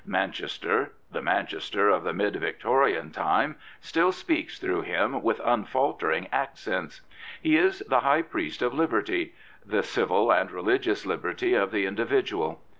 Manchester, the Manchester of the mid Victorian time, still speaks through him with un faltering accents. He is the high priest of liberty— m Prophets, Priests, and Kings the civil and religious liberty of the individual.